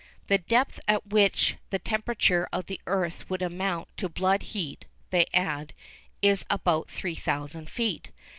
'The depth at which the temperature of the earth would amount to blood heat,' they add, 'is about 3,000 feet.